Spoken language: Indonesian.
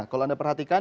kalau anda perhatikan